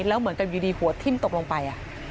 แล้วเหมือนกับอยู่ดีหัวทิ้มตกลงไป